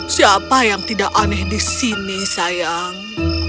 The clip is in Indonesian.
siapa yang tidak aneh di sini sayang